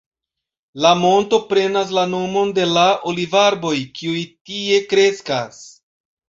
La monto prenas la nomon de la olivarboj kiuj tie kreskas.